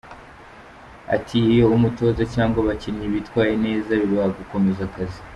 Ati “iyo umutoza cyangwa abakinnyi bitwaye neza bibaha gukomeza akazi”.